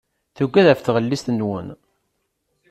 Tuggad ɣef tɣellist-nwen.